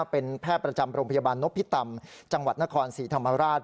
เป็นแพทย์ประจำโรงพยาบาลนพิตำจังหวัดนครศรีธรรมราช